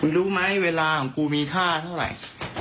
รู้ไหมเวลาของกูมีค่าเท่าไหร่